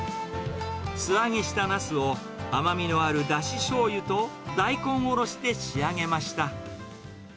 素揚げしたナスを、甘みのあるだししょうゆと大根おろしで仕上げました。